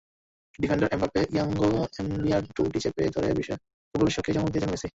Defender Mapou Yanga এমবিয়ার টুঁটি চেপে ধরে ফুটবল বিশ্বকেই চমকে দিয়েছেন মেসি।